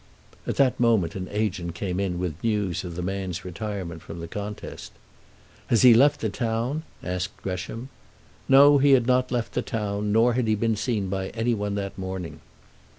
At that moment an agent came in with news of the man's retirement from the contest. "Has he left the town?" asked Gresham. No; he had not left the town, nor had he been seen by any one that morning.